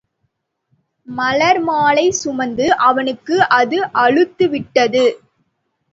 மலர்மாலை சுமந்து அவனுக்கு அது அலுத்து விட்டது.